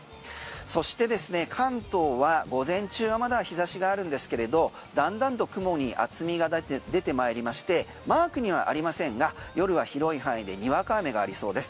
そしてですね関東は午前中はまだ日差しがあるんですけれどだんだんと雲に厚みが出てまいりましてマークにはありませんが夜は広い範囲でにわか雨がありそうです。